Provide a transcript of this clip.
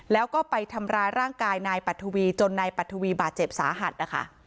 แล้วก็ไปทำร้ายร่างกายนายปัทวีจนนายปัทวีบาดเจ็บสาหัสนะคะ